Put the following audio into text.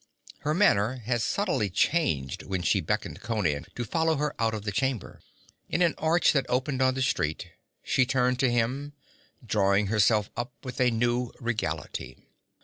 Her manner had subtly changed when she beckoned Conan to follow her out of the chamber. In an arch that opened on the street, she turned to him, drawing herself up with a new regality.